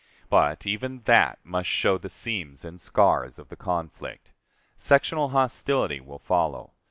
But even that must show the seams and scars of the conflict. Sectional hostility will follow.